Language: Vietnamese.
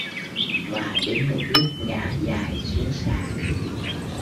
Và đến một lúc ngã dài xuống sàn